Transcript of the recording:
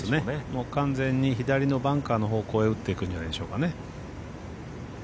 もう完全に左のバンカーのほうへ打っていくんじゃないでしょうかね。